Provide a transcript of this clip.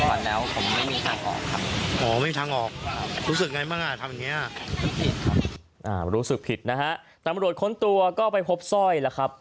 อ่ารู้สึกผิดนะฮะแต่มรวดค้นตัวก็ไปพบสร้อยล่ะครับ